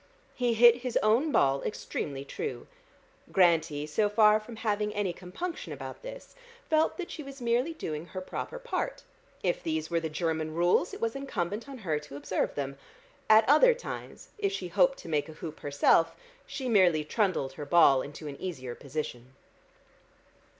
He hit his own ball extremely true. Grantie, so far from having any compunction about this, felt that she was merely doing her proper part; if these were the German rules, it was incumbent on her to observe them.... At other times, if she hoped to make a hoop herself, she merely trundled her ball into an easier position.